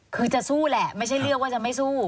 คือจะสู้แหละไม่ใช่เลือกว่าจะไม่สู้